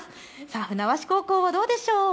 船橋高校はどうでしょう。